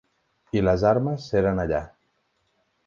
I les armes eren allà.